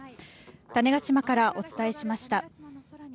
種子島からお伝えしました。